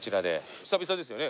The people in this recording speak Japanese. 久々ですよね？